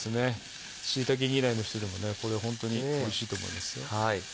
椎茸嫌いの人でもこれホントにおいしいと思いますよ。